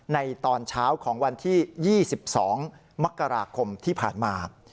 ในตอนเช้าของวันที่๒๒มกราคมที่ผ่านมา